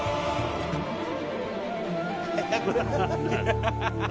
ハハハハ！